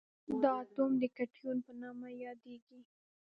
دا اتوم د کتیون په نوم یادیږي.